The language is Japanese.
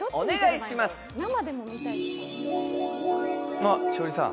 あっ、栞里さん。